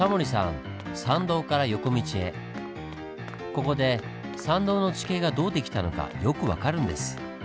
ここで参道の地形がどう出来たのかよく分かるんです。